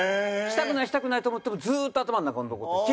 したくないしたくないと思ってもずっと頭の中に残ってる。